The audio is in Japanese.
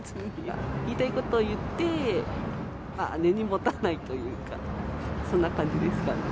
言いたいこと言って、根に持たないというか、そんな感じですかね。